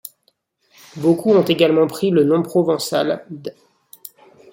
Beaucoup ont également pris le nom provençal d'.